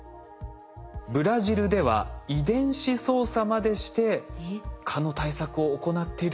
ブラジルでは遺伝子操作までして蚊の対策を行っているといいます。